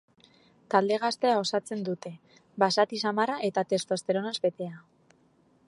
Talde gaztea osatzen dute, basati samarra eta testosteronaz betea.